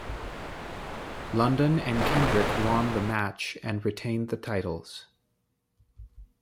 London and Kendrick won the match and retained the titles.